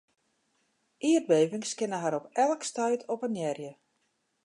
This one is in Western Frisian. Ierdbevings kinne har op elk stuit oppenearje.